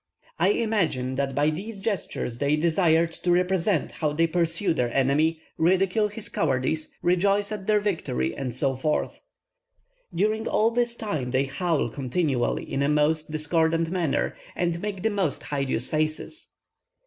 I imagine, that by these gestures they desired to represent how they pursue their enemy, ridicule his cowardice, rejoice at their victory, and so forth. During all this time they howl continually in a most discordant manner, and make the most hideous faces.